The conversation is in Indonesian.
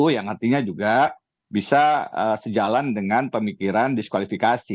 yang artinya juga bisa sejalan dengan pemikiran diskualifikasi